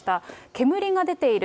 煙が出ている。